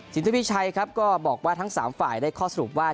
ทวีชัยครับก็บอกว่าทั้ง๓ฝ่ายได้ข้อสรุปว่า